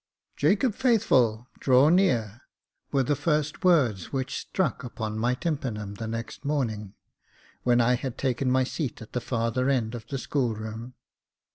Jacob Faithful 25 *' Jacob Faithful, draw near," were the first words which struck upon my tympanum the next morning, when I had taken my seat at the further end of the school room.